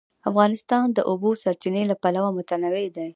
افغانستان د د اوبو سرچینې له پلوه متنوع دی.